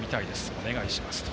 お願いしますと。